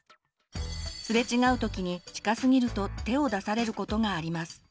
すれ違うときに近すぎると手を出されることがあります。